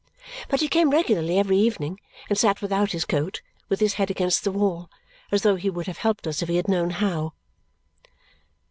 But he came regularly every evening and sat without his coat, with his head against the wall, as though he would have helped us if he had known how.